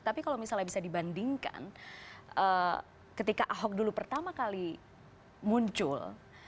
tapi kalau misalnya bisa dibandingkan ketika ahok dulu pertama kali muncul